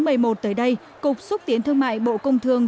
năm hai nghìn một mươi một tới đây cục xúc tiến thương mại bộ công thương